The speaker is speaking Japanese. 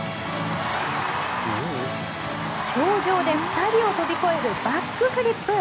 氷上で２人を跳び越えるバックフリップ。